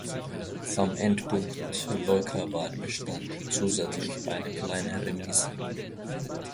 Am Endpunkt Leukerbad bestand zusätzlich eine kleine Remise.